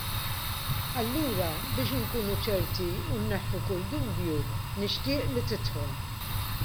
Allura biex inkunu ċerti u nneħħu kull dubju nixtieq li tidħol.